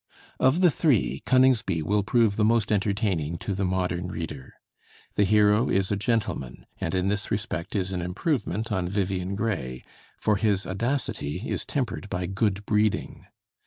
Of the three, 'Coningsby' will prove the most entertaining to the modern reader. The hero is a gentleman, and in this respect is an improvement on Vivian Grey, for his audacity is tempered by good breeding.